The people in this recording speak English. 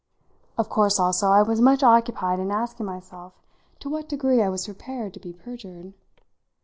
Of course, also, I was much occupied in asking myself to what degree I was prepared to be perjured.